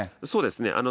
そうですね。